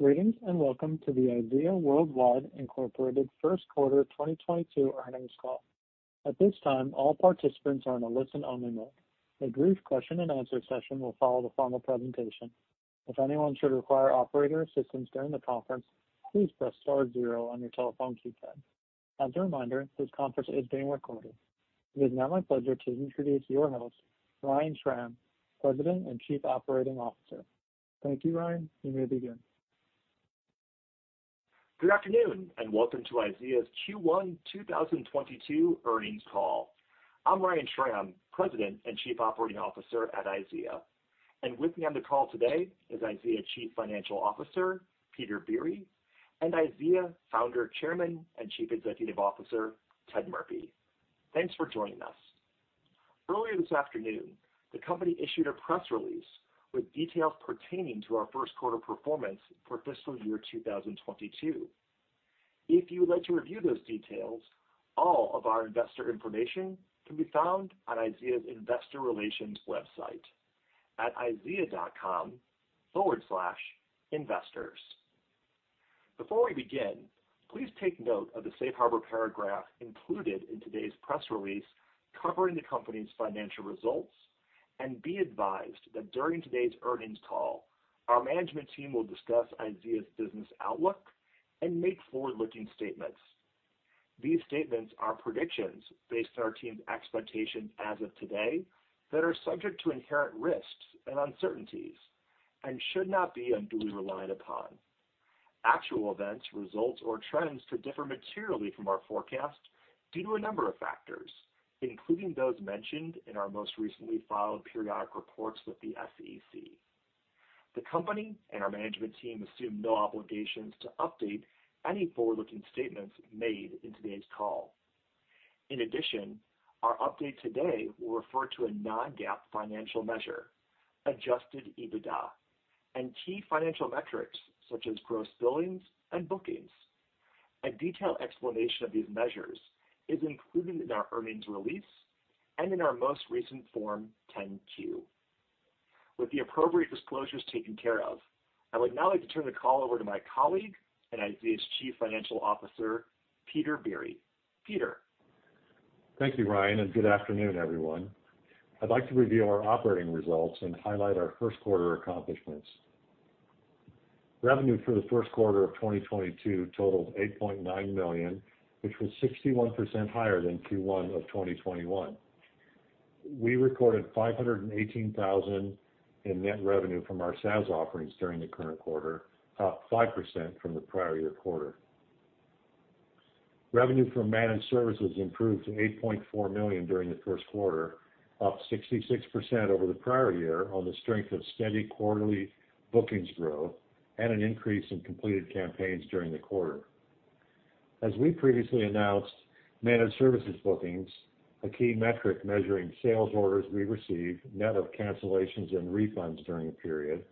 Greetings, and welcome to the IZEA Worldwide, Inc. First Quarter 2022 Earnings Call. At this time, all participants are in a listen-only mode. A brief question-and-answer session will follow the formal presentation. If anyone should require operator assistance during the conference, please press star zero on your telephone keypad. As a reminder, this conference is being recorded. It is now my pleasure to introduce your host, Ryan Schram, President and Chief Operating Officer. Thank you, Ryan. You may begin. Good afternoon, and welcome to IZEA's Q1 2022 Earnings Call. I'm Ryan Schram, President and Chief Operating Officer at IZEA, and with me on the call today is IZEA Chief Financial Officer, Peter Biere, and IZEA Founder, Chairman, and Chief Executive Officer, Ted Murphy. Thanks for joining us. Earlier this afternoon, the company issued a press release with details pertaining to our first quarter performance for fiscal year 2022. If you would like to review those details, all of our investor information can be found on IZEA's investor relations website at izea.com/investors. Before we begin, please take note of the safe harbor paragraph included in today's press release covering the company's financial results, and be advised that during today's earnings call, our management team will discuss IZEA's business outlook and make forward-looking statements. These statements are predictions based on our team's expectations as of today that are subject to inherent risks and uncertainties and should not be unduly relied upon. Actual events, results, or trends could differ materially from our forecasts due to a number of factors, including those mentioned in our most recently filed periodic reports with the SEC. The company and our management team assume no obligations to update any forward-looking statements made in today's call. In addition, our update today will refer to a non-GAAP financial measure, Adjusted EBITDA and key financial metrics such as Gross Billings and bookings. A detailed explanation of these measures is included in our earnings release and in our most recent Form 10-Q. With the appropriate disclosures taken care of, I would now like to turn the call over to my colleague and IZEA's Chief Financial Officer, Peter Biere. Peter. Thank you, Ryan, and good afternoon, everyone. I'd like to review our operating results and highlight our first quarter accomplishments. Revenue for the first quarter of 2022 totaled $8.9 million, which was 61% higher than Q1 of 2021. We recorded $518,000 in net revenue from our SaaS offerings during the current quarter, up 5% from the prior year quarter. Revenue from managed services improved to $8.4 million during the first quarter, up 66% over the prior year on the strength of steady quarterly bookings growth and an increase in completed campaigns during the quarter. As we previously announced, Managed Services bookings, a key metric measuring sales orders we receive net of cancellations and refunds during the period,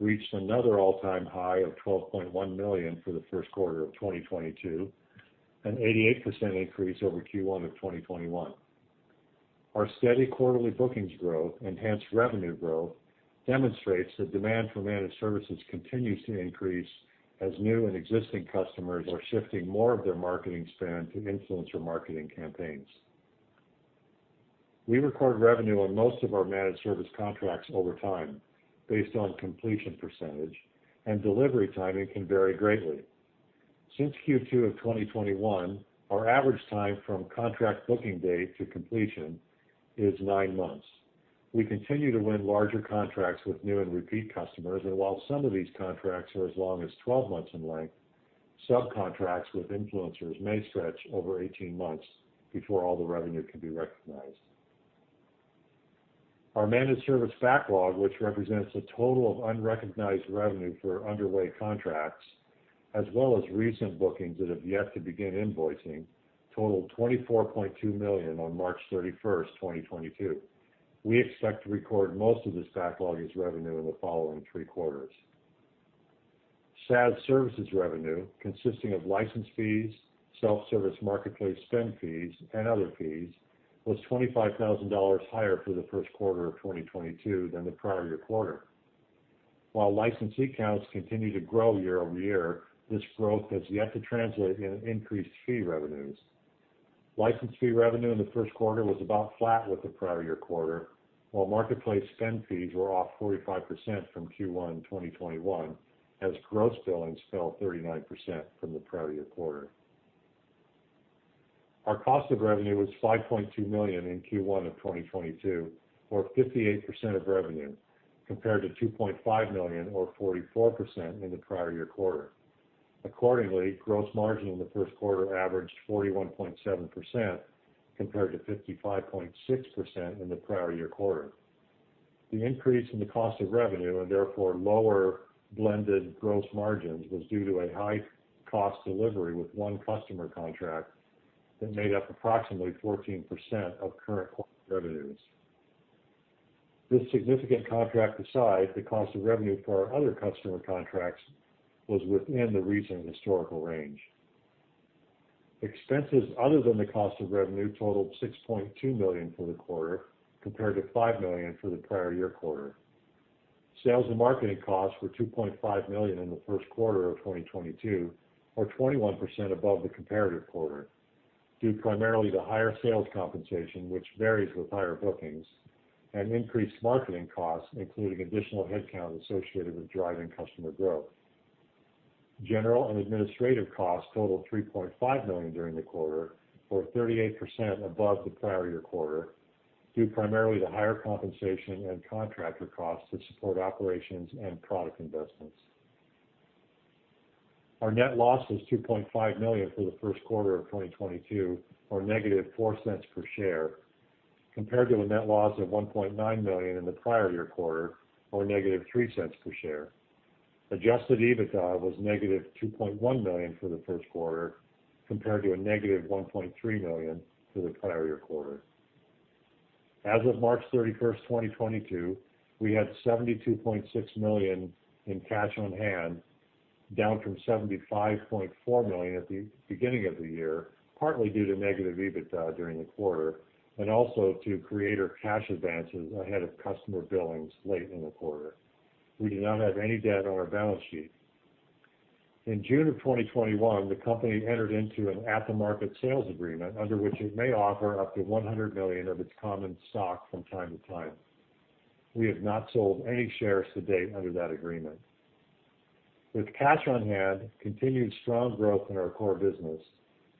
reached another all-time high of $12.1 million for the first quarter of 2022, an 88% increase over Q1 of 2021. Our steady quarterly bookings growth enhanced revenue growth demonstrates that demand for Managed Services continues to increase as new and existing customers are shifting more of their marketing spend to influencer marketing campaigns. We record revenue on most of our Managed Services contracts over time based on completion percentage, and delivery timing can vary greatly. Since Q2 of 2021, our average time from contract booking date to completion is nine months. We continue to win larger contracts with new and repeat customers, and while some of these contracts are as long as 12 months in length, subcontracts with influencers may stretch over 18 months before all the revenue can be recognized. Our Managed Services backlog, which represents the total of unrecognized revenue for underway contracts, as well as recent bookings that have yet to begin invoicing, totaled $24.2 million on March 31st, 2022. We expect to record most of this backlog as revenue in the following three quarters. SaaS services revenue, consisting of license fees, self-service marketplace spend fees, and other fees, was $25,000 higher for the first quarter of 2022 than the prior year quarter. While licensee counts continue to grow year-over-year, this growth has yet to translate into increased fee revenues. License fee revenue in the first quarter was about flat with the prior year quarter, while marketplace spend fees were off 45% from Q1 2021 as gross billings fell 39% from the prior year quarter. Our cost of revenue was $5.2 million in Q1 of 2022, or 58% of revenue, compared to $2.5 million or 44% in the prior year quarter. Accordingly, gross margin in the first quarter averaged 41.7% compared to 55.6% in the prior year quarter. The increase in the cost of revenue and therefore lower blended gross margins was due to a high cost delivery with one customer contract that made up approximately 14% of current quarter revenues. This significant contract aside, the cost of revenue for our other customer contracts was within the recent historical range. Expenses other than the cost of revenue totaled $6.2 million for the quarter compared to $5 million for the prior year quarter. Sales and marketing costs were $2.5 million in the first quarter of 2022, or 21% above the comparative quarter, due primarily to higher sales compensation, which varies with higher bookings and increased marketing costs, including additional headcount associated with driving customer growth. General and administrative costs totaled $3.5 million during the quarter, or 38% above the prior year quarter, due primarily to higher compensation and contractor costs that support operations and product investments. Our net loss was $2.5 million for the first quarter of 2022, or -$0.04 per share, compared to a net loss of $1.9 million in the prior year quarter, or -$0.03 per share. Adjusted EBITDA was negative $2.1 million for the first quarter compared to a negative $1.3 million for the prior year quarter. As of March 31st, 2022, we had $72.6 million in cash on hand, down from $75.4 million at the beginning of the year, partly due to negative EBITDA during the quarter and also to creator cash advances ahead of customer billings late in the quarter. We do not have any debt on our balance sheet. In June of 2021, the company entered into an at-the-market sales agreement under which it may offer up to 100 million of its common stock from time to time. We have not sold any shares to date under that agreement. With cash on hand, continued strong growth in our core business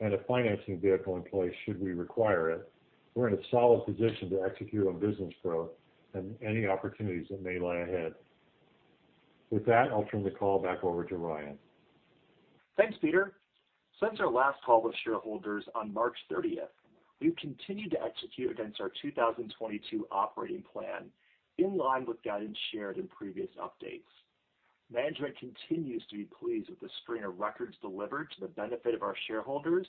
and a financing vehicle in place should we require it, we're in a solid position to execute on business growth and any opportunities that may lie ahead. With that, I'll turn the call back over to Ryan. Thanks, Peter. Since our last call with shareholders on March 30th, we've continued to execute against our 2022 operating plan in line with guidance shared in previous updates. Management continues to be pleased with the string of records delivered to the benefit of our shareholders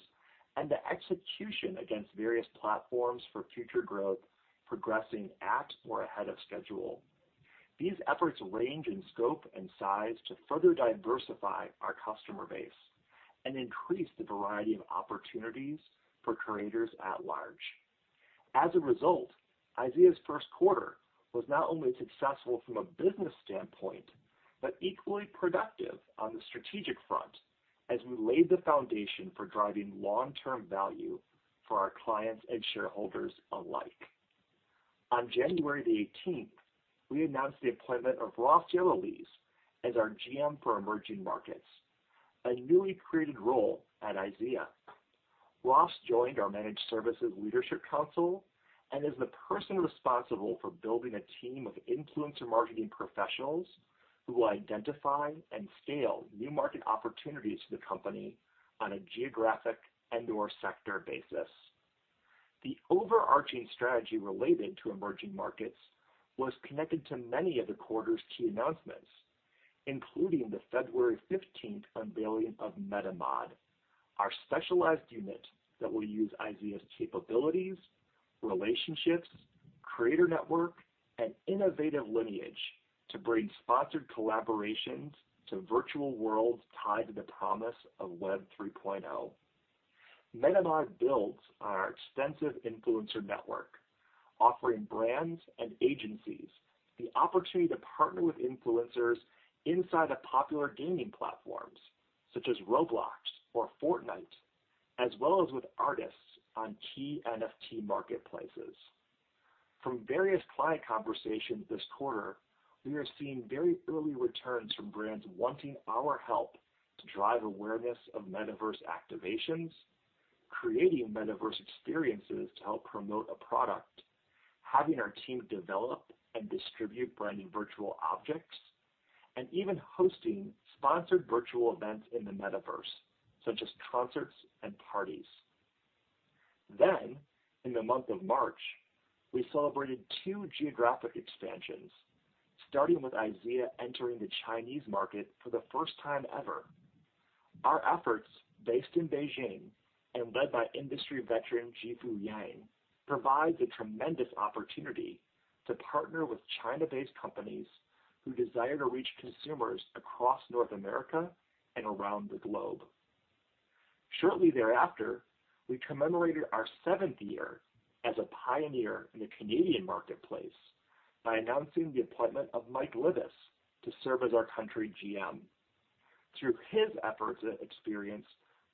and the execution against various platforms for future growth progressing at or ahead of schedule. These efforts range in scope and size to further diversify our customer base and increase the variety of opportunities for creators at large. As a result, IZEA's first quarter was not only successful from a business standpoint, but equally productive on the strategic front as we laid the foundation for driving long-term value for our clients and shareholders alike. On January 18th, we announced the appointment of Ross Yellowlees as our GM for emerging markets, a newly created role at IZEA. Ross joined our managed services leadership council and is the person responsible for building a team of influencer marketing professionals who identify and scale new market opportunities for the company on a geographic and/or sector basis. The overarching strategy related to emerging markets was connected to many of the quarter's key announcements, including the February 15th unveiling of MetaMod, our specialized unit that will use IZEA's capabilities, relationships, creator network, and innovative lineage to bring sponsored collaborations to virtual worlds tied to the promise of Web 3.0. MetaMod builds on our extensive influencer network, offering brands and agencies the opportunity to partner with influencers inside of popular gaming platforms such as Roblox or Fortnite, as well as with artists on key NFT marketplaces. From various client conversations this quarter, we are seeing very early returns from brands wanting our help to drive awareness of metaverse activations, creating metaverse experiences to help promote a product, having our team develop and distribute branded virtual objects, and even hosting sponsored virtual events in the metaverse, such as concerts and parties. In the month of March, we celebrated two geographic expansions, starting with IZEA entering the Chinese market for the first time ever. Our efforts, based in Beijing and led by industry veteran Zhifu Yan, provides a tremendous opportunity to partner with China-based companies who desire to reach consumers across North America and around the globe. Shortly thereafter, we commemorated our seventh year as a pioneer in the Canadian marketplace by announcing the appointment of Mike Livings to serve as our country GM. Through his efforts and experience,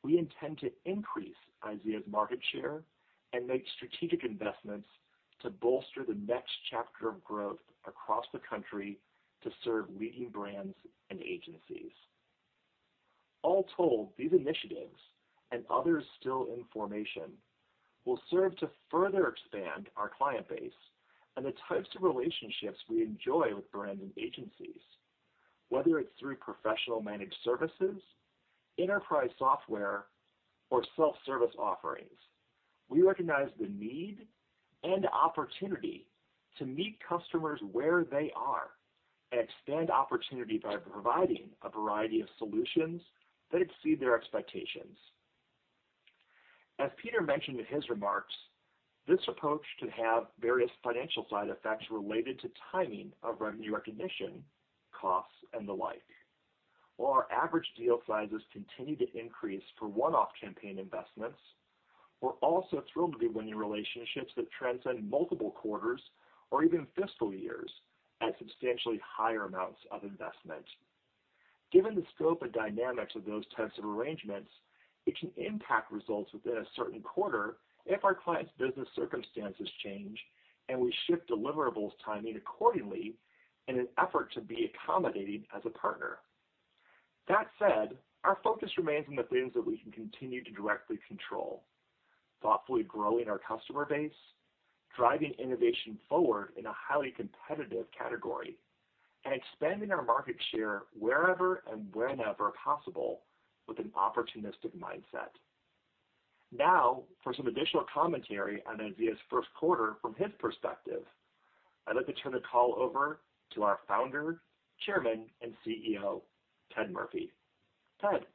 we intend to increase IZEA's market share and make strategic investments to bolster the next chapter of growth across the country to serve leading brands and agencies. All told, these initiatives, and others still in formation, will serve to further expand our client base and the types of relationships we enjoy with brands and agencies. Whether it's through professional managed services, enterprise software, or self-service offerings, we recognize the need and opportunity to meet customers where they are and expand opportunity by providing a variety of solutions that exceed their expectations. As Peter mentioned in his remarks. This approach can have various financial side effects related to timing of revenue recognition, costs, and the like. While our average deal sizes continue to increase for one-off campaign investments, we're also thrilled to be winning relationships that transcend multiple quarters or even fiscal years at substantially higher amounts of investment. Given the scope and dynamics of those types of arrangements, it can impact results within a certain quarter if our client's business circumstances change and we shift deliverables timing accordingly in an effort to be accommodating as a partner. That said, our focus remains on the things that we can continue to directly control, thoughtfully growing our customer base, driving innovation forward in a highly competitive category, and expanding our market share wherever and whenever possible with an opportunistic mindset. Now, for some additional commentary on IZEA's first quarter from his perspective, I'd like to turn the call over to our founder, chairman, and CEO, Ted Murphy. Ted?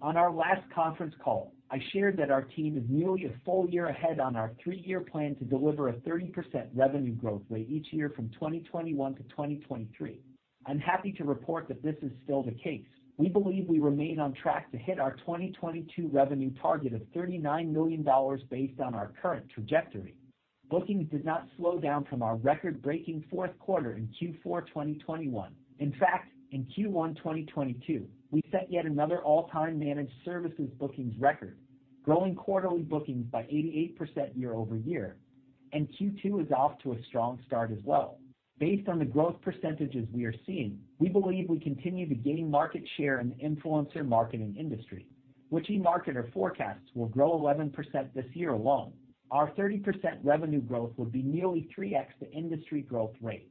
On our last conference call, I shared that our team is nearly a full year ahead on our three-year plan to deliver a 30% revenue growth rate each year from 2021 to 2023. I'm happy to report that this is still the case. We believe we remain on track to hit our 2022 revenue target of $39 million based on our current trajectory. Bookings did not slow down from our record-breaking fourth quarter in Q4 2021. In fact, in Q1 2022, we set yet another all-time Managed Services bookings record, growing quarterly bookings by 88% year over year, and Q2 is off to a strong start as well. Based on the growth percentages we are seeing, we believe we continue to gain market share in the influencer marketing industry, which eMarketer forecasts will grow 11% this year alone. Our 30% revenue growth will be nearly 3x the industry growth rate.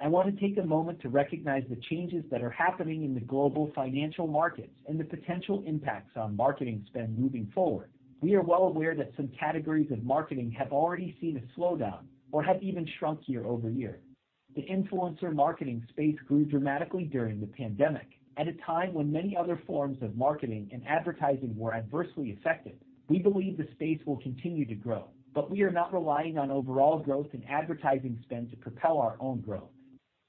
I want to take a moment to recognize the changes that are happening in the global financial markets and the potential impacts on marketing spend moving forward. We are well aware that some categories of marketing have already seen a slowdown or have even shrunk year-over-year. The influencer marketing space grew dramatically during the pandemic. At a time when many other forms of marketing and advertising were adversely affected, we believe the space will continue to grow. We are not relying on overall growth in advertising spend to propel our own growth.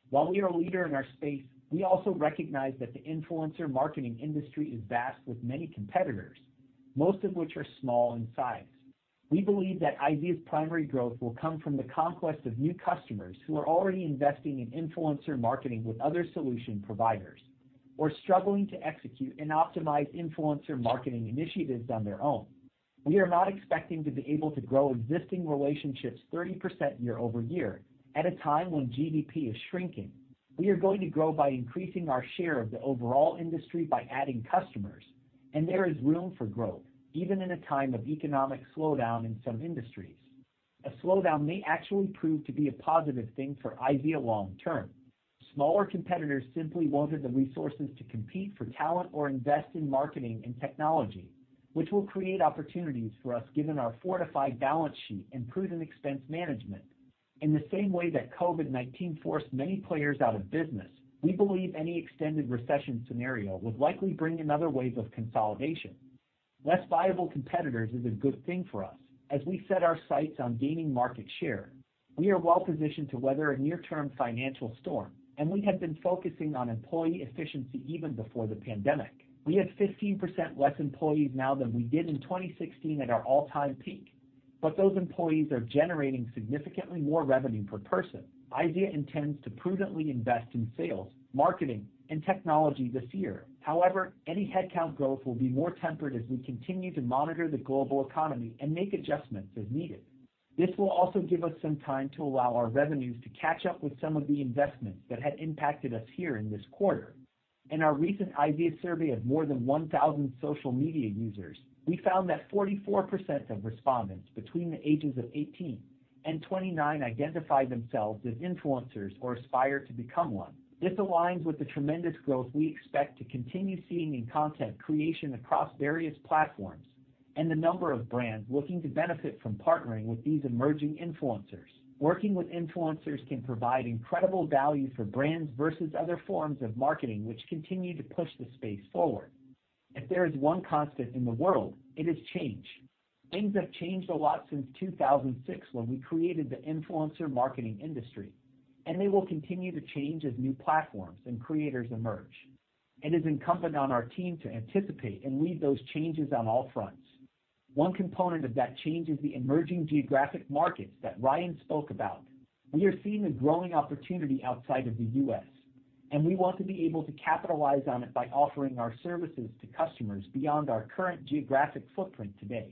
While we are a leader in our space, we also recognize that the influencer marketing industry is vast with many competitors, most of which are small in size. We believe that IZEA's primary growth will come from the conquest of new customers who are already investing in influencer marketing with other solution providers or struggling to execute and optimize influencer marketing initiatives on their own. We are not expecting to be able to grow existing relationships 30% year-over-year at a time when GDP is shrinking. We are going to grow by increasing our share of the overall industry by adding customers, and there is room for growth, even in a time of economic slowdown in some industries. A slowdown may actually prove to be a positive thing for IZEA long term. Smaller competitors simply won't have the resources to compete for talent or invest in marketing and technology, which will create opportunities for us given our fortified balance sheet and prudent expense management. In the same way that COVID-19 forced many players out of business, we believe any extended recession scenario would likely bring another wave of consolidation. Less viable competitors is a good thing for us as we set our sights on gaining market share. We are well-positioned to weather a near-term financial storm, and we have been focusing on employee efficiency even before the pandemic. We have 15% less employees now than we did in 2016 at our all-time peak, but those employees are generating significantly more revenue per person. IZEA intends to prudently invest in sales, marketing, and technology this year. However, any headcount growth will be more tempered as we continue to monitor the global economy and make adjustments as needed. This will also give us some time to allow our revenues to catch up with some of the investments that had impacted us here in this quarter. In our recent IZEA survey of more than 1,000 social media users, we found that 44% of respondents between the ages of 18 and 29 identify themselves as influencers or aspire to become one. This aligns with the tremendous growth we expect to continue seeing in content creation across various platforms and the number of brands looking to benefit from partnering with these emerging influencers. Working with influencers can provide incredible value for brands versus other forms of marketing which continue to push the space forward. If there is one constant in the world, it is change. Things have changed a lot since 2006 when we created the influencer marketing industry, and they will continue to change as new platforms and creators emerge. It is incumbent on our team to anticipate and lead those changes on all fronts. One component of that change is the emerging geographic markets that Ryan spoke about. We are seeing a growing opportunity outside of the U.S., and we want to be able to capitalize on it by offering our services to customers beyond our current geographic footprint today.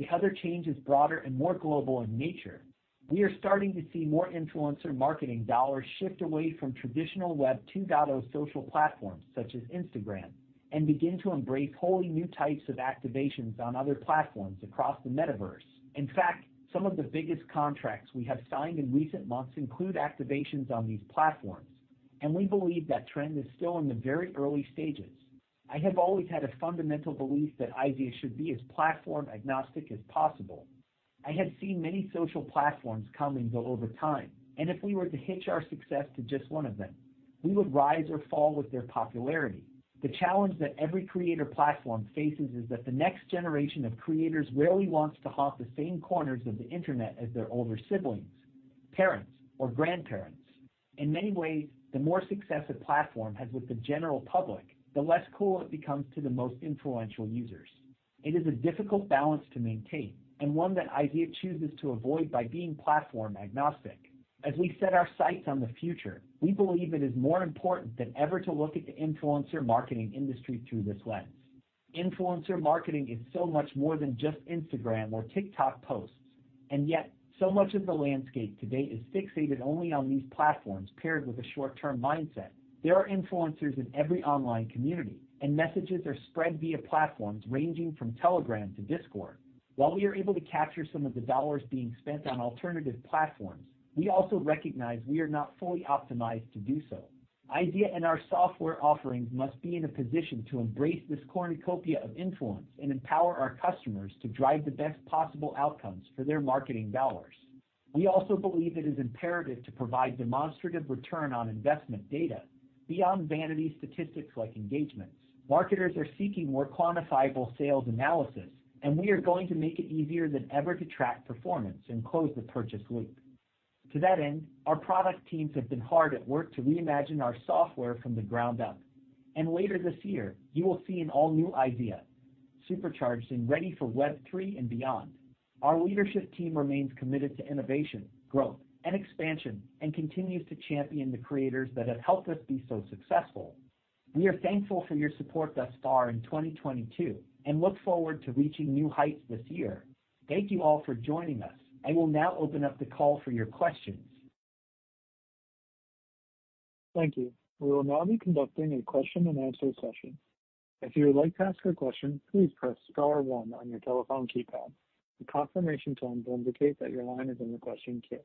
The other change is broader and more global in nature. We are starting to see more influencer marketing dollars shift away from traditional Web 2.0 social platforms such as Instagram and begin to embrace wholly new types of activations on other platforms across the metaverse. In fact, some of the biggest contracts we have signed in recent months include activations on these platforms, and we believe that trend is still in the very early stages. I have always had a fundamental belief that IZEA should be as platform agnostic as possible. I have seen many social platforms come and go over time, and if we were to hitch our success to just one of them. We would rise or fall with their popularity. The challenge that every creator platform faces is that the next generation of creators rarely wants to hop the same corners of the internet as their older siblings, parents, or grandparents. In many ways, the more success a platform has with the general public, the less cool it becomes to the most influential users. It is a difficult balance to maintain and one that IZEA chooses to avoid by being platform agnostic. As we set our sights on the future, we believe it is more important than ever to look at the influencer marketing industry through this lens. Influencer marketing is so much more than just Instagram or TikTok posts, and yet so much of the landscape today is fixated only on these platforms paired with a short-term mindset. There are influencers in every online community, and messages are spread via platforms ranging from Telegram to Discord. While we are able to capture some of the dollars being spent on alternative platforms, we also recognize we are not fully optimized to do so. IZEA and our software offerings must be in a position to embrace this cornucopia of influence and empower our customers to drive the best possible outcomes for their marketing dollars. We also believe it is imperative to provide demonstrative return on investment data beyond vanity statistics like engagements. Marketers are seeking more quantifiable sales analysis, and we are going to make it easier than ever to track performance and close the purchase loop. To that end, our product teams have been hard at work to reimagine our software from the ground up. Later this year, you will see an all-new IZEA, supercharged and ready for Web3 and beyond. Our leadership team remains committed to innovation, growth, and expansion and continues to champion the creators that have helped us be so successful. We are thankful for your support thus far in 2022 and look forward to reaching new heights this year. Thank you all for joining us. I will now open up the call for your questions. Thank you. We will now be conducting a question and answer session. If you would like to ask a question, please press star one on your telephone keypad. A confirmation tone will indicate that your line is in the question queue.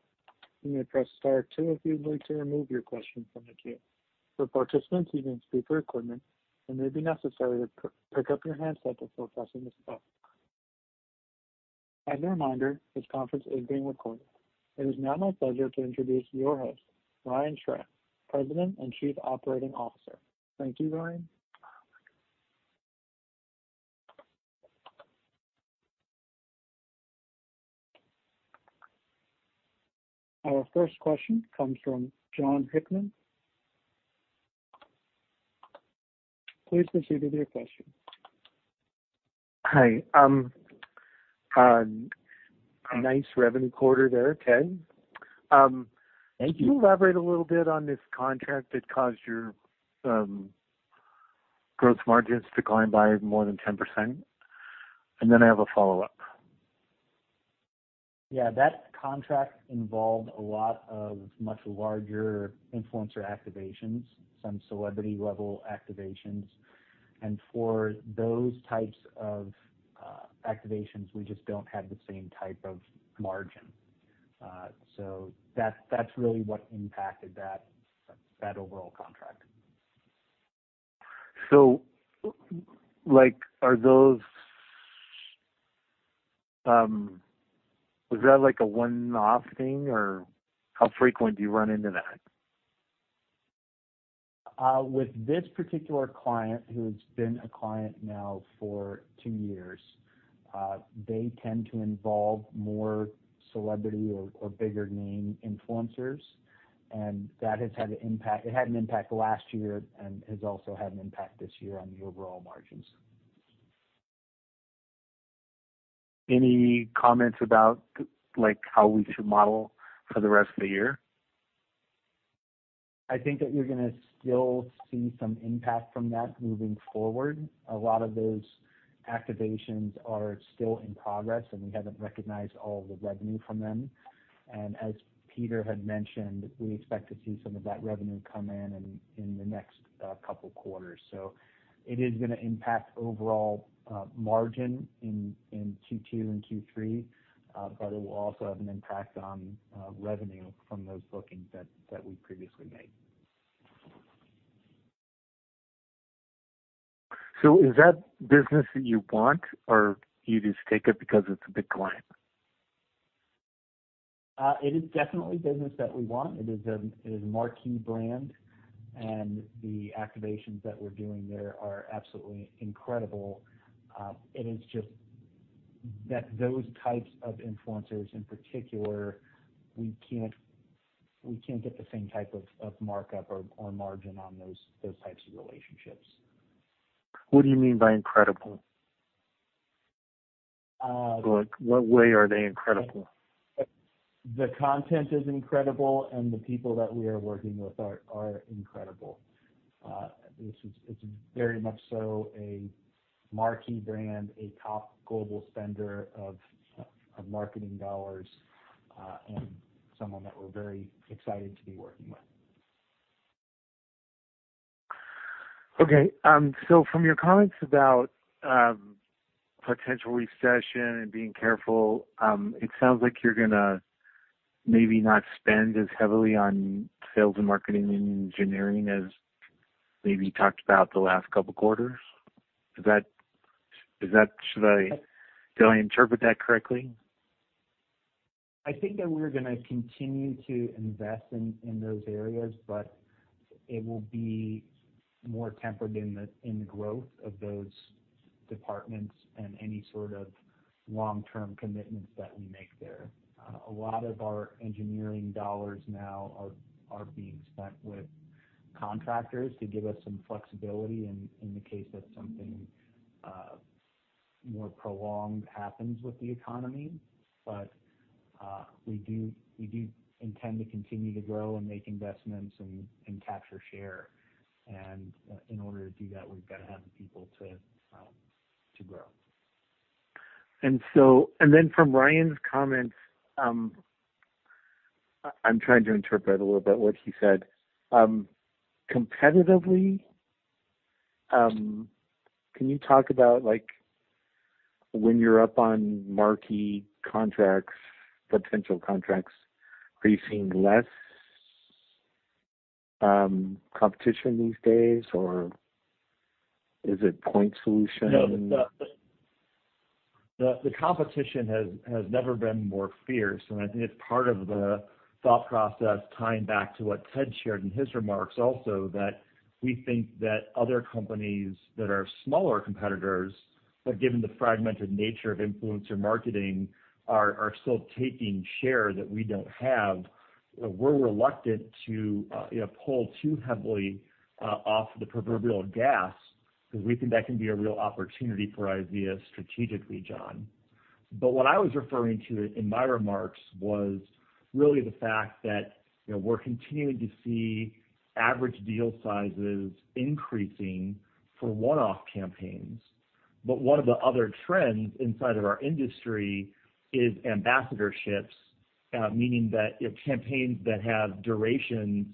You may press star two if you'd like to remove your question from the queue. For participants using speaker equipment, it may be necessary to pick up your handset before pressing the star. As a reminder, this conference is being recorded. It is now my pleasure to introduce your host, Ryan Schram, President and Chief Operating Officer. Thank you, Ryan. Our first question comes from John Hickman. Please proceed with your question. Hi. Nice revenue quarter there, Ted. Thank you. Can you elaborate a little bit on this contract that caused your gross margins to decline by more than 10%? I have a follow-up. Yeah. That contract involved a lot of much larger influencer activations, some celebrity-level activations. For those types of activations, we just don't have the same type of margin. So that's really what impacted that overall contract. Was that like a one-off thing, or how frequent do you run into that? With this particular client who has been a client now for two years, they tend to involve more celebrity or bigger name influencers, and that has had an impact. It had an impact last year and has also had an impact this year on the overall margins. Any comments about, like, how we should model for the rest of the year? I think that you're gonna still see some impact from that moving forward. A lot of those activations are still in progress, and we haven't recognized all the revenue from them. As Peter had mentioned, we expect to see some of that revenue come in in the next couple quarters. It is gonna impact overall margin in Q2 and Q3, but it will also have an impact on revenue from those bookings that we previously made. Is that business that you want or you just take it because it's a big client? It is definitely business that we want. It is a marquee brand, and the activations that we're doing there are absolutely incredible. It is just that those types of influencers in particular, we can't get the same type of markup or margin on those types of relationships. What do you mean by incredible? Uh- Like, what way are they incredible? The content is incredible, and the people that we are working with are incredible. This is very much so a marquee brand, a top global spender of marketing dollars, and someone that we're very excited to be working with. Okay. From your comments about potential recession and being careful, it sounds like you're gonna maybe not spend as heavily on sales and marketing and engineering as maybe you talked about the last couple quarters. Is that? Did I interpret that correctly? I think that we're gonna continue to invest in those areas, but it will be more tempered in the growth of those departments and any sort of long-term commitments that we make there. A lot of our engineering dollars now are being spent with contractors to give us some flexibility in the case that something more prolonged happens with the economy. We do intend to continue to grow and make investments and capture share. In order to do that, we've gotta have the people to grow. From Ryan's comments, I'm trying to interpret a little bit what he said. Competitively, can you talk about, like, when you're up on marquee contracts, potential contracts, are you seeing less competition these days, or is it point solution? No. The competition has never been more fierce, and I think it's part of the thought process tying back to what Ted shared in his remarks also that we think that other companies that are smaller competitors, but given the fragmented nature of influencer marketing are still taking share that we don't have. We're reluctant to you know pull too heavily off the proverbial gas because we think that can be a real opportunity for IZEA strategically, John. What I was referring to in my remarks was really the fact that you know we're continuing to see average deal sizes increasing for one-off campaigns. One of the other trends inside of our industry is ambassadorships meaning that campaigns that have durations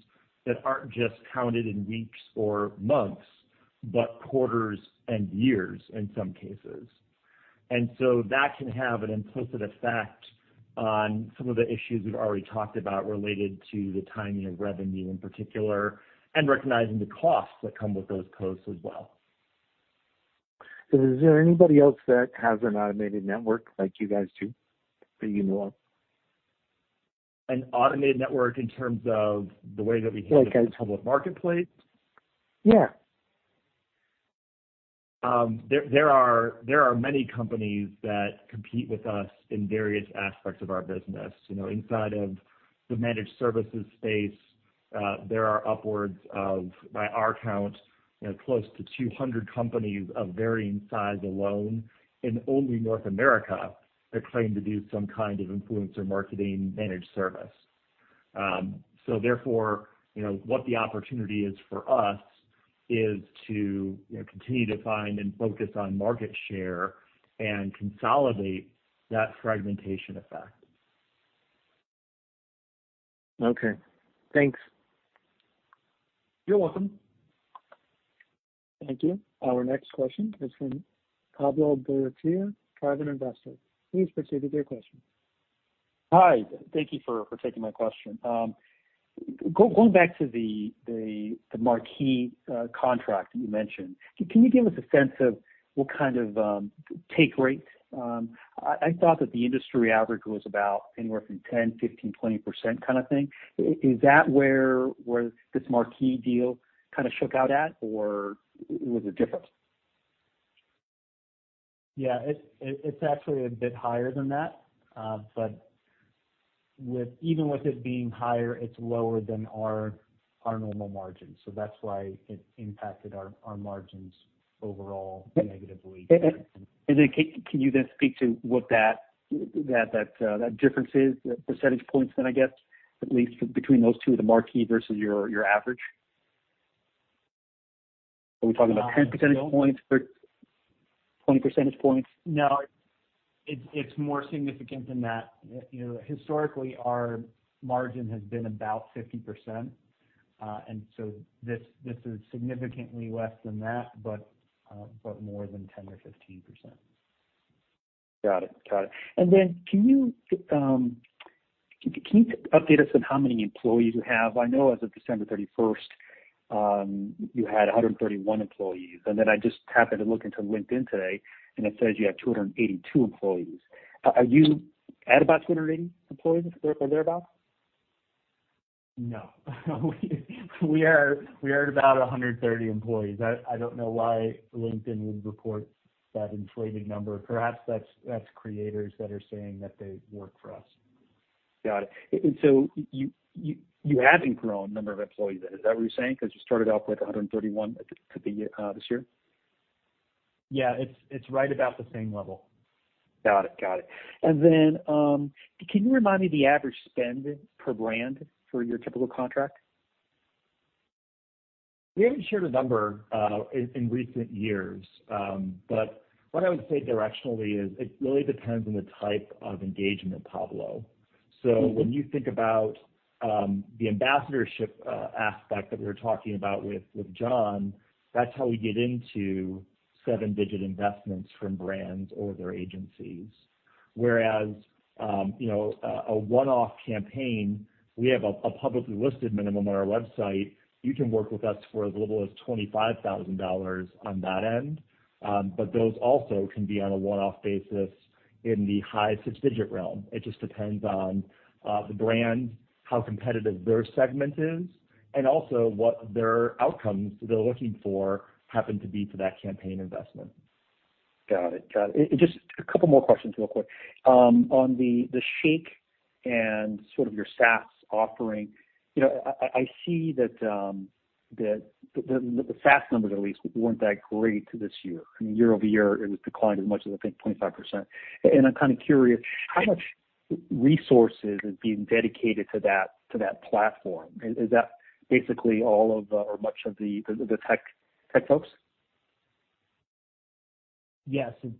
that aren't just counted in weeks or months, but quarters and years in some cases. That can have an implicit effect on some of the issues we've already talked about related to the timing of revenue in particular, and recognizing the costs that come with those posts as well. Is there anybody else that has an automated network like you guys do that you know of? An automated network in terms of the way that we think of the public marketplace? Yeah. There are many companies that compete with us in various aspects of our business. You know, inside of the managed services space, there are upwards of, by our count, you know, close to 200 companies of varying size alone in only North America that claim to do some kind of influencer marketing managed service. Therefore, you know, what the opportunity is for us is to, you know, continue to find and focus on market share and consolidate that fragmentation effect. Okay. Thanks. You're welcome. Thank you. Our next question is from Pablo Bourtier, Private Investor. Please proceed with your question. Hi. Thank you for taking my question. Going back to the marquee contract that you mentioned, can you give us a sense of what kind of take rate? I thought that the industry average was about anywhere from 10%, 15%, 20% kinda thing. Is that where this marquee deal kinda shook out at, or was it different? Yeah. It's actually a bit higher than that. Even with it being higher, it's lower than our normal margin, so that's why it impacted our margins overall negatively. Can you speak to what that difference is, the percentage points then I guess, at least between those two, the marquee versus your average? Are we talking about 10 percentage points or 20 percentage points? No, it's more significant than that. You know, historically, our margin has been about 50%, and so this is significantly less than that, but more than 10% or 15%. Got it. Can you update us on how many employees you have? I know as of December 31st, you had 131 employees, and then I just happened to look into LinkedIn today, and it says you have 282 employees. Are you at about 280 employees or thereabout? No. We are at about 130 employees. I don't know why LinkedIn would report that inflated number. Perhaps that's creators that are saying that they work for us. Got it. You haven't grown number of employees then. Is that what you're saying? 'Cause you started off with 131 at the this year. Yeah. It's right about the same level. Got it. Can you remind me the average spend per brand for your typical contract? We haven't shared a number in recent years. What I would say directionally is it really depends on the type of engagement, Pablo. When you think about the ambassadorship aspect that we were talking about with John, that's how we get into seven-digit investments from brands or their agencies. Whereas, you know, a one-off campaign, we have a publicly listed minimum on our website. You can work with us for as little as $25,000 on that end. Those also can be on a one-off basis. In the high six-digit realm. It just depends on the brand, how competitive their segment is, and also what their outcomes they're looking for happen to be for that campaign investment. Got it. Just a couple more questions real quick. On the Shake and sort of your SaaS offering, you know, I see that the SaaS numbers at least weren't that great this year. I mean, year-over-year, it was declined as much as I think 25%. I'm kinda curious how much resources is being dedicated to that platform. Is that basically all of or much of the tech folks? Yes. We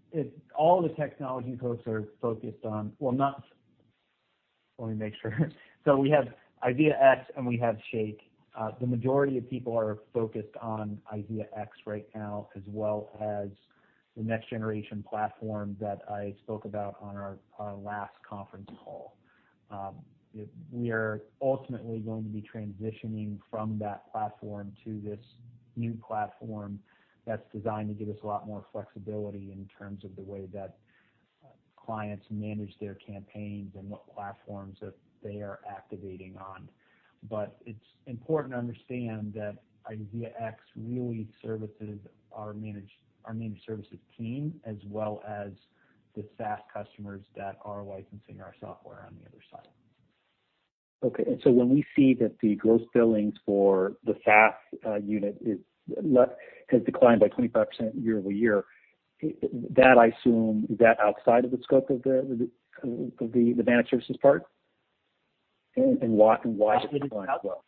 have IZEAx and we have Shake. The majority of people are focused on IZEAx right now, as well as the next generation platform that I spoke about on our last conference call. We are ultimately going to be transitioning from that platform to this new platform that's designed to give us a lot more flexibility in terms of the way that clients manage their campaigns and what platforms that they are activating on. It's important to understand that IZEAx really services our managed services team as well as the SaaS customers that are licensing our software on the other side. When we see that the gross billings for the SaaS unit has declined by 25% year-over-year, that I assume is that outside of the scope of the managed services part? Why is it going as well?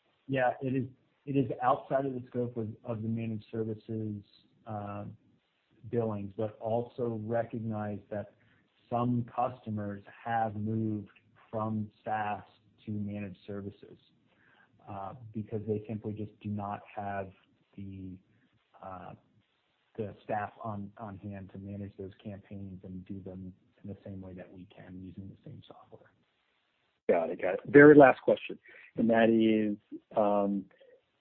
It is outside of the scope of the Managed Services billings. Also recognize that some customers have moved from SaaS to Managed Services because they simply just do not have the staff on hand to manage those campaigns and do them in the same way that we can using the same software. Got it. Very last question, and that is,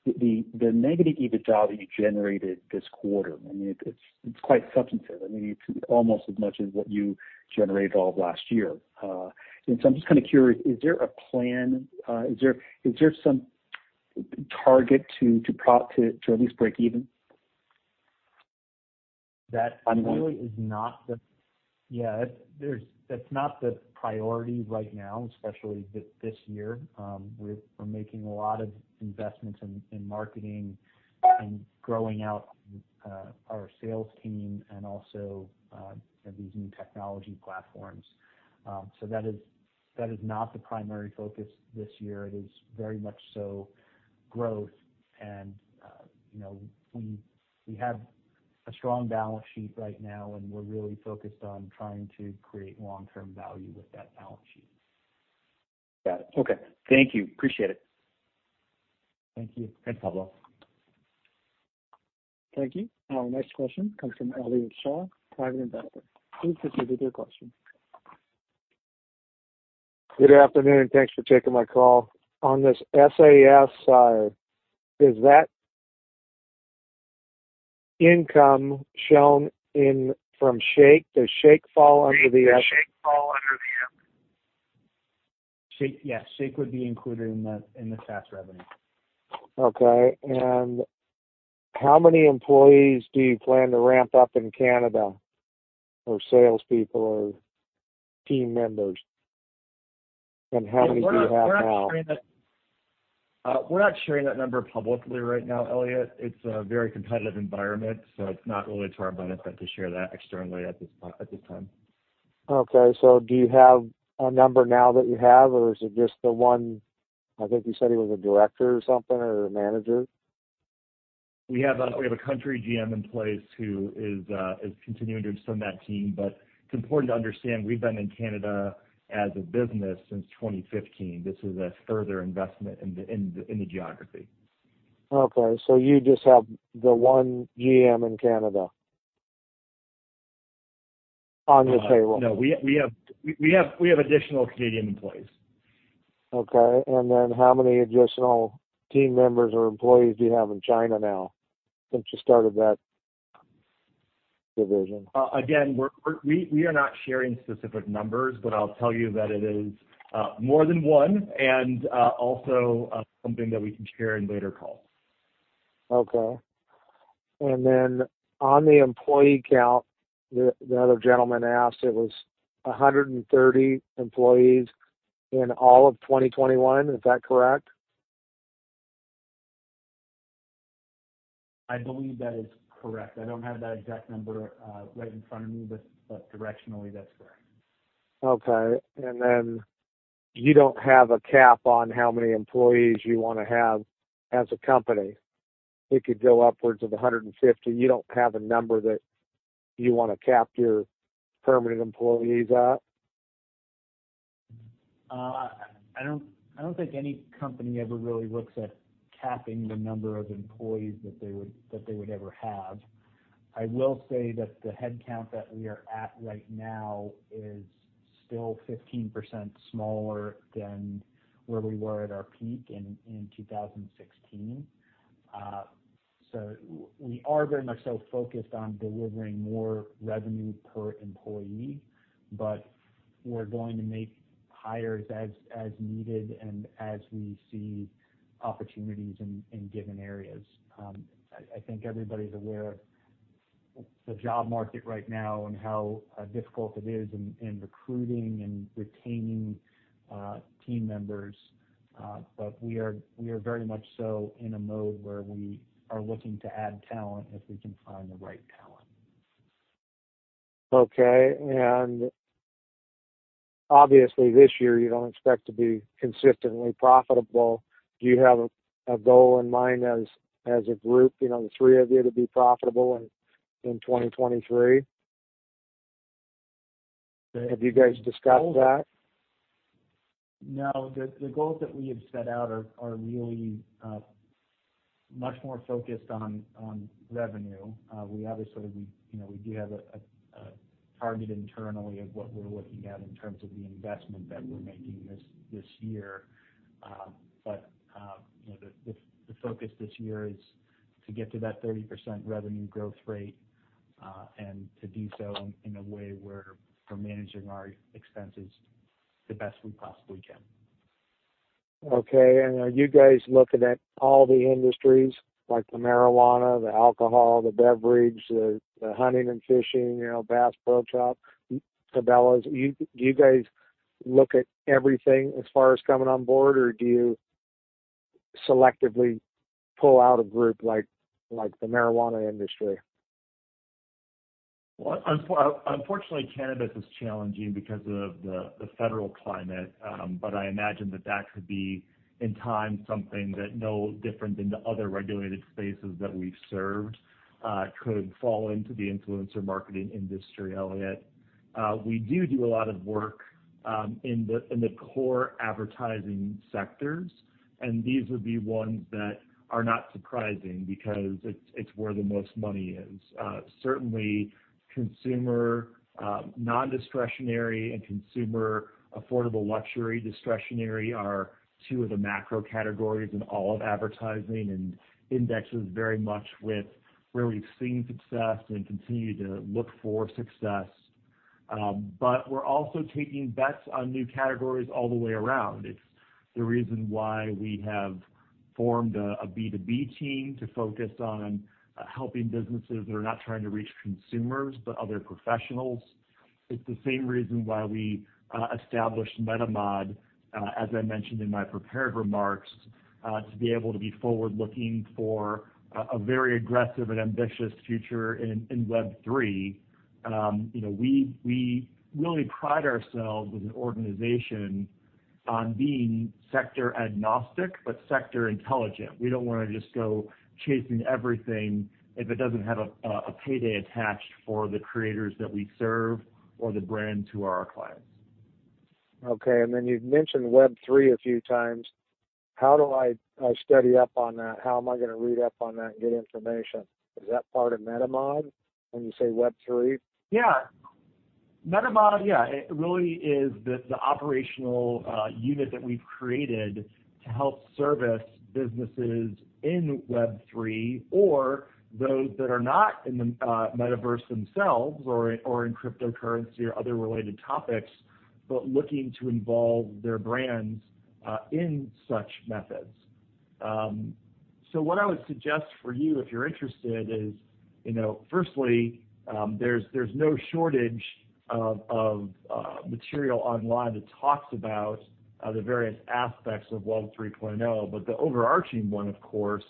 the negative EBITDA that you generated this quarter. I mean, it's quite substantive. I mean, it's almost as much as what you generated all of last year. I'm just kinda curious, is there a plan? Is there some target to at least break even? Yeah, that's not the priority right now, especially this year. We're making a lot of investments in marketing and growing out our sales team and also these new technology platforms. That is not the primary focus this year. It is very much so growth and you know, we have a strong balance sheet right now, and we're really focused on trying to create long-term value with that balance sheet. Got it. Okay. Thank you. Appreciate it. Thank you. Thanks, Pablo. Thank you. Our next question comes from Elliot Shaw, Private Investor. Please proceed with your question. Good afternoon. Thanks for taking my call. On this SaaS side, is that income shown in from Shake? Does Shake fall under the S- Yes, Shake would be included in the SaaS revenue. Okay. How many employees do you plan to ramp up in Canada or salespeople or team members? How many do you have now? We're not sharing that number publicly right now, Elliot. It's a very competitive environment, so it's not really to our benefit to share that externally at this time. Okay. Do you have a number now that you have, or is it just the one, I think you said he was a director or something or a manager? We have a country GM in place who is continuing to extend that team. It's important to understand we've been in Canada as a business since 2015. This is a further investment in the geography. Okay. You just have the one GM in Canada on the payroll? No. We have additional Canadian employees. Okay. How many additional team members or employees do you have in China now since you started that division? Again, we are not sharing specific numbers, but I'll tell you that it is more than one and also something that we can share in later calls. Okay. On the employee count, the other gentleman asked, it was 130 employees in all of 2021. Is that correct? I believe that is correct. I don't have that exact number, right in front of me, but directionally, that's correct. Okay. You don't have a cap on how many employees you wanna have as a company. It could go upwards of 150. You don't have a number that you wanna cap your permanent employees at? I don't think any company ever really looks at capping the number of employees that they would ever have. I will say that the headcount that we are at right now is Still 15% smaller than where we were at our peak in 2016. We are very much so focused on delivering more revenue per employee, but we're going to make hires as needed and as we see opportunities in given areas. I think everybody's aware of the job market right now and how difficult it is in recruiting and retaining team members. We are very much so in a mode where we are looking to add talent if we can find the right talent. Okay. Obviously this year you don't expect to be consistently profitable. Do you have a goal in mind as a group, you know, the three of you to be profitable in 2023? Have you guys discussed that? No. The goals that we have set out are really much more focused on revenue. We obviously, you know, we do have a target internally of what we're looking at in terms of the investment that we're making this year. You know, the focus this year is to get to that 30% revenue growth rate, and to do so in a way where we're managing our expenses the best we possibly can. Okay. Are you guys looking at all the industries like the marijuana, the alcohol, the beverage, the hunting and fishing, you know, Bass Pro Shops, Cabela's? Do you guys look at everything as far as coming on board, or do you selectively pull out a group like the marijuana industry? Well, unfortunately, cannabis is challenging because of the federal climate. I imagine that could be, in time, something that no different than the other regulated spaces that we've served, could fall into the influencer marketing industry, Elliot. We do a lot of work in the core advertising sectors, and these would be ones that are not surprising because it's where the most money is. Certainly consumer non-discretionary and consumer affordable luxury discretionary are two of the macro categories in all of advertising, and IZEAx is very much with where we've seen success and continue to look for success. We're also taking bets on new categories all the way around. It's the reason why we have formed a B2B team to focus on helping businesses that are not trying to reach consumers, but other professionals. It's the same reason why we established MetaMod, as I mentioned in my prepared remarks, to be able to be forward-looking for a very aggressive and ambitious future in Web3. You know, we really pride ourselves as an organization on being sector agnostic, but sector intelligent. We don't wanna just go chasing everything if it doesn't have a payday attached for the creators that we serve or the brand to our clients. Okay. You've mentioned Web3 a few times. How do I study up on that? How am I gonna read up on that and get information? Is that part of MetaMod when you say Web3? Yeah. MetaMod, yeah, it really is the operational unit that we've created to help service businesses in Web3 or those that are not in the metaverse themselves or in cryptocurrency or other related topics, but looking to involve their brands in such methods. What I would suggest for you if you're interested is, you know, firstly, there's no shortage of material online that talks about the various aspects of Web 3.0, but the overarching one, of course,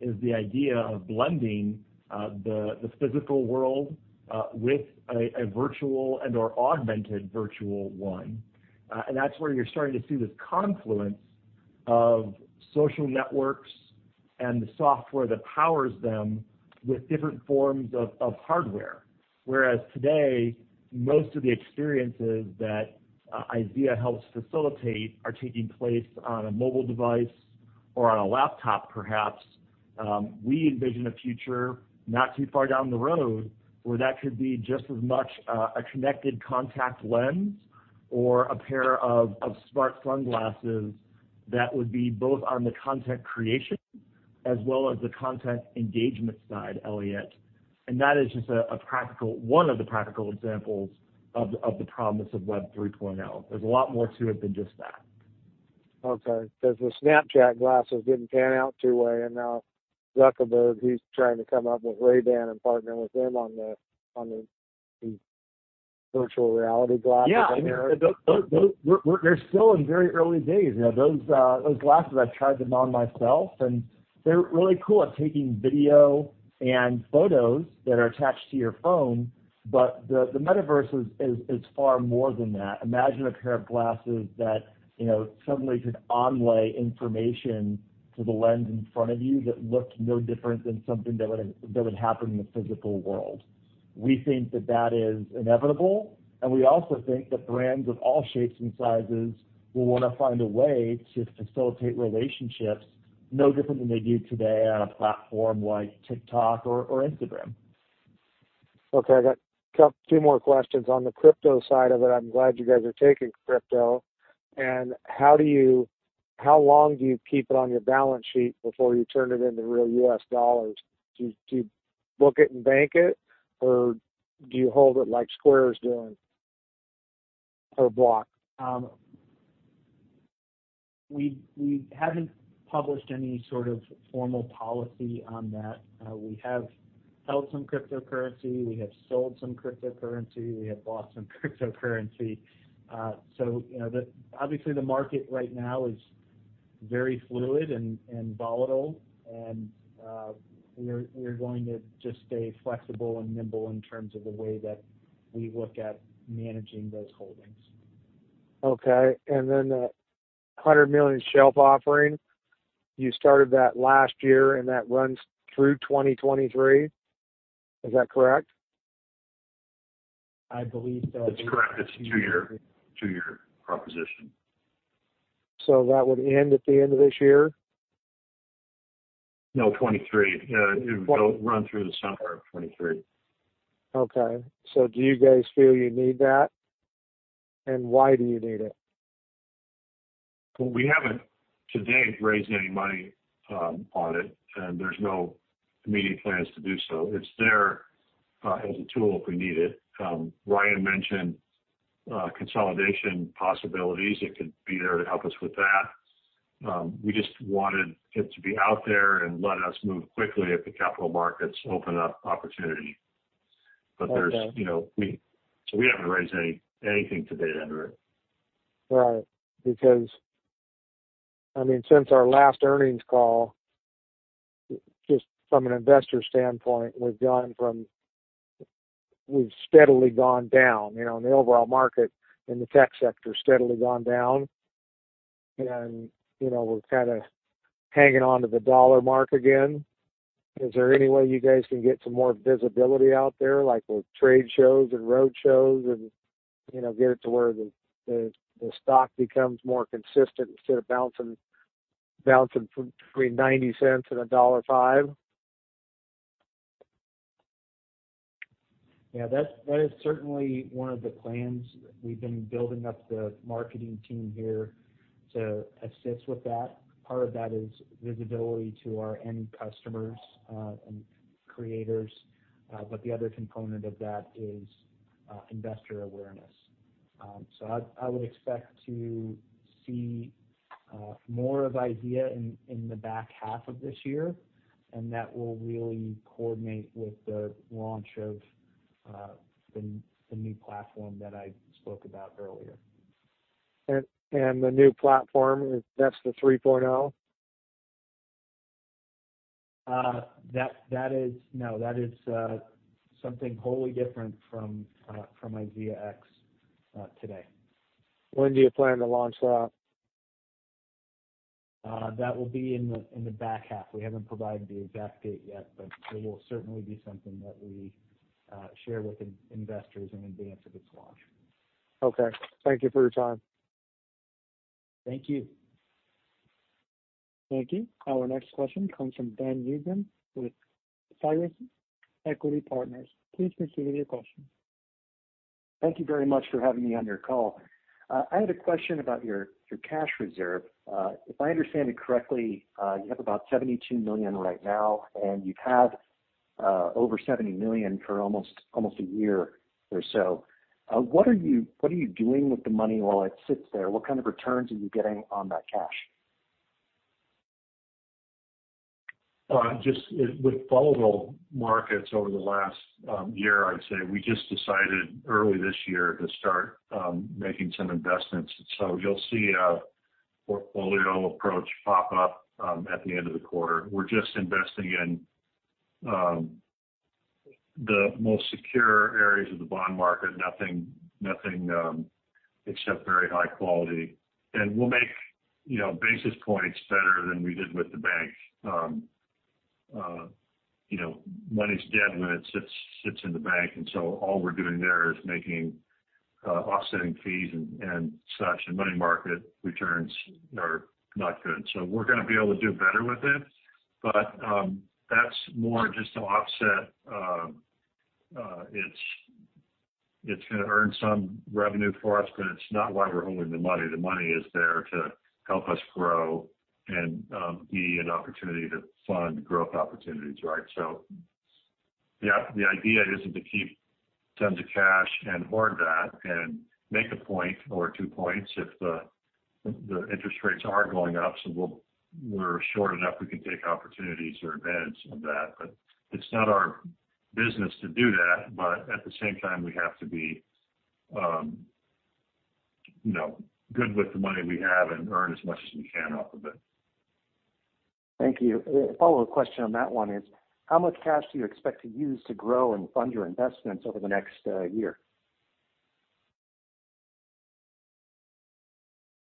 is the idea of blending the physical world with a virtual and/or augmented virtual one. That's where you're starting to see this confluence of social networks and the software that powers them with different forms of hardware. Whereas today, most of the experiences that IZEA helps facilitate are taking place on a mobile device or on a laptop perhaps. We envision a future not too far down the road where that could be just as much a connected contact lens or a pair of smart sunglasses that would be both on the content creation as well as the content engagement side, Elliot. That is just a practical one of the practical examples of the promise of Web 3.0. There's a lot more to it than just that. Okay. Because the Snapchat glasses didn't pan out too well, and now Zuckerberg, he's trying to come up with Ray-Ban and partner with them on the virtual reality glasses I hear. Yeah. I mean, those, they're still in very early days. You know, those glasses, I've tried them on myself, and they're really cool at taking video and photos that are attached to your phone. But the metaverse is far more than that. Imagine a pair of glasses that, you know, suddenly could overlay information to the lens in front of you that looked no different than something that would happen in the physical world. We think that that is inevitable, and we also think that brands of all shapes and sizes will wanna find a way to facilitate relationships no different than they do today on a platform like TikTok or Instagram. Okay. I got two more questions. On the crypto side of it, I'm glad you guys are taking crypto. How long do you keep it on your balance sheet before you turn it into real U.S. dollars? Do you book it and bank it, or do you hold it like Square is doing or Block? We haven't published any sort of formal policy on that. We have held some cryptocurrency. We have sold some cryptocurrency. We have bought some cryptocurrency. You know, obviously, the market right now is very fluid and volatile, and we're going to just stay flexible and nimble in terms of the way that we look at managing those holdings. Okay. The $100 million shelf offering, you started that last year, and that runs through 2023. Is that correct? I believe so. That's correct. It's a two-year proposition. That would end at the end of this year? No, 2023. Yeah. It'll run through the summer of 2023. Okay. Do you guys feel you need that? Why do you need it? Well, we haven't today raised any money on it, and there's no immediate plans to do so. It's there as a tool if we need it. Ryan mentioned consolidation possibilities. It could be there to help us with that. We just wanted it to be out there and let us move quickly if the capital markets open up opportunity. Okay. There's, you know, so we haven't raised anything to date under it. Right. Because, I mean, since our last earnings call, just from an investor standpoint, we've steadily gone down, you know, and the overall market in the tech sector steadily gone down. You know, we're kinda hanging on to the dollar mark again. Is there any way you guys can get some more visibility out there, like with trade shows and road shows and, you know, get it to where the stock becomes more consistent instead of bouncing between $0.90 and $1.05? Yeah. That is certainly one of the plans. We've been building up the marketing team here to assist with that. Part of that is visibility to our end customers and creators. The other component of that is investor awareness. I would expect to see more of IZEA in the back half of this year, and that will really coordinate with the launch of the new platform that I spoke about earlier. The new platform, that's the 3.0? That is something wholly different from IZEAx today. When do you plan to launch that? That will be in the back half. We haven't provided the exact date yet, but it will certainly be something that we share with investors in advance of its launch. Okay, thank you for your time. Thank you. Thank you. Our next question comes from Ben Mogil with Sirus Equity Partners. Please proceed with your question. Thank you very much for having me on your call. I had a question about your cash reserve. If I understand it correctly, you have about $72 million right now, and you've had over $70 million for almost a year or so. What are you doing with the money while it sits there? What kind of returns are you getting on that cash? Just with volatile markets over the last year, I'd say we just decided early this year to start making some investments. You'll see a portfolio approach pop up at the end of the quarter. We're just investing in the most secure areas of the bond market, nothing except very high quality. We'll make basis points better than we did with the bank. You know, money's dead when it sits in the bank, so all we're doing there is making offsetting fees and such, and money market returns are not good. We're gonna be able to do better with it, but that's more just to offset. It's gonna earn some revenue for us, but it's not why we're holding the money. The money is there to help us grow and be an opportunity to fund growth opportunities, right? Yeah. The idea isn't to keep tons of cash and hoard that and make a point or two points if the interest rates are going up, we're short enough, we can take opportunities or advantage of that. It's not our business to do that. At the same time, we have to be, you know, good with the money we have and earn as much as we can off of it. Thank you. A follow-up question on that one is, how much cash do you expect to use to grow and fund your investments over the next year?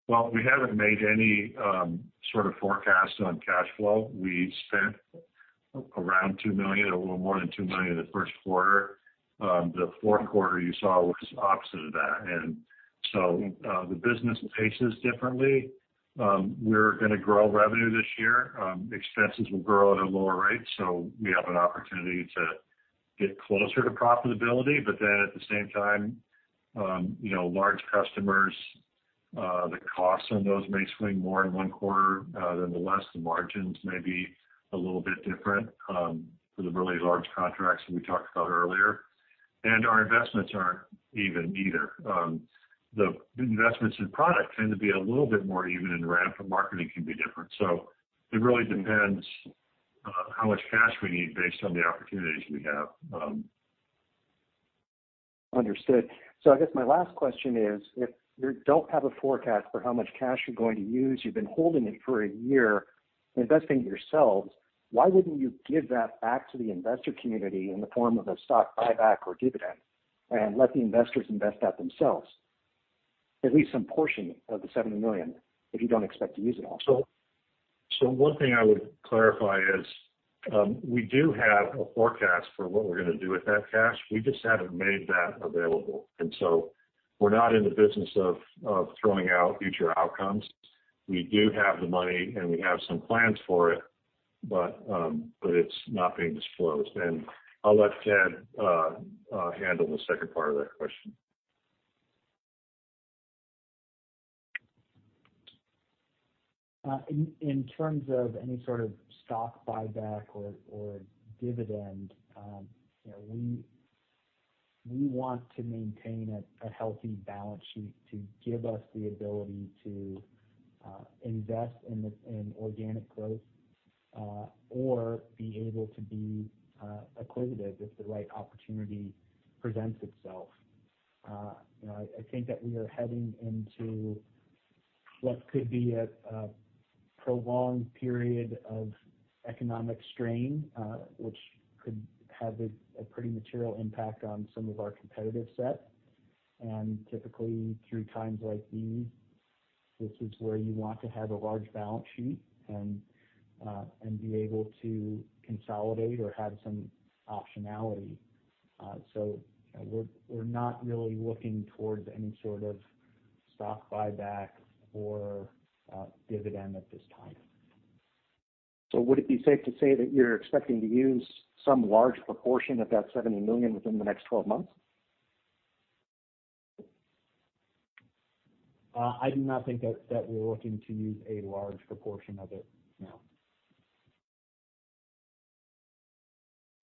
Well, we haven't made any sort of forecast on cash flow. We spent around $2 million, a little more than $2 million in the first quarter. The fourth quarter you saw was opposite of that. The business paces differently. We're gonna grow revenue this year. Expenses will grow at a lower rate, so we have an opportunity to get closer to profitability. At the same time, you know, large customers, the costs on those may swing more in one quarter than others. The margins may be a little bit different for the really large contracts that we talked about earlier. Our investments aren't even either. The investments in product tend to be a little bit more even, and R&D and marketing can be different. It really depends on how much cash we need based on the opportunities we have. Understood. I guess my last question is, if you don't have a forecast for how much cash you're going to use, you've been holding it for a year investing it yourselves, why wouldn't you give that back to the investor community in the form of a stock buyback or dividend and let the investors invest that themselves? At least some portion of the $70 million, if you don't expect to use it all. One thing I would clarify is, we do have a forecast for what we're gonna do with that cash. We just haven't made that available. We're not in the business of throwing out future outcomes. We do have the money, and we have some plans for it, but it's not being disclosed. I'll let Ted handle the second part of that question. In terms of any sort of stock buyback or dividend, you know, we want to maintain a healthy balance sheet to give us the ability to invest in organic growth or be able to be acquisitive if the right opportunity presents itself. You know, I think that we are heading into what could be a prolonged period of economic strain, which could have a pretty material impact on some of our competitive set. Typically, through times like these, this is where you want to have a large balance sheet and be able to consolidate or have some optionality. We're not really looking towards any sort of stock buyback or dividend at this time. Would it be safe to say that you're expecting to use some large proportion of that $70 million within the next 12 months? I do not think that we're looking to use a large proportion of it, no.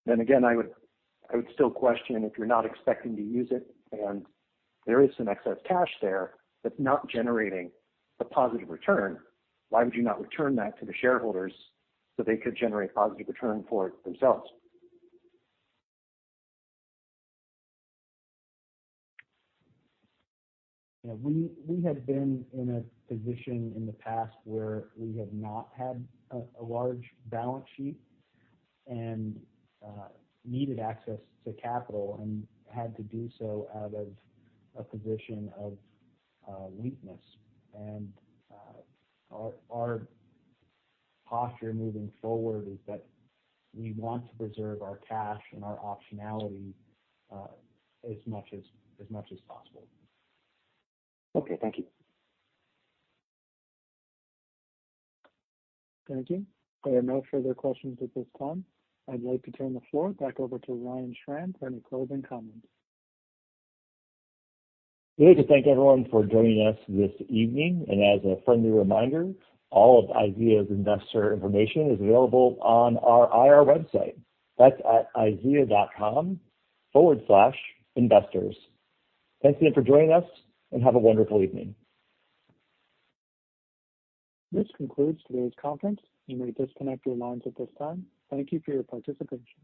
I would still question if you're not expecting to use it and there is some excess cash there that's not generating a positive return, why would you not return that to the shareholders so they could generate positive return for it themselves? Yeah. We have been in a position in the past where we have not had a large balance sheet and needed access to capital and had to do so out of a position of weakness. Our posture moving forward is that we want to preserve our cash and our optionality as much as possible. Okay. Thank you. Thank you. There are no further questions at this time. I'd like to turn the floor back over to Ryan Schram for any closing comments. We'd like to thank everyone for joining us this evening. As a friendly reminder, all of IZEA's investor information is available on our IR website. That's at izea.com/investors. Thank you again for joining us, and have a wonderful evening. This concludes today's conference. You may disconnect your lines at this time. Thank you for your participation.